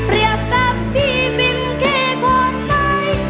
เรียกกับพี่เป็นแค่คนไม้